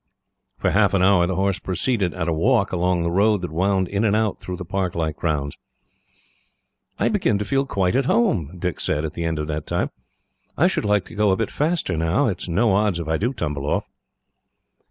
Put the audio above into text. For half an hour the horse proceeded, at a walk, along the road that wound in and out through the park like grounds. "I begin to feel quite at home," Dick said, at the end of that time. "I should like to go a bit faster now. It is no odds if I do tumble off."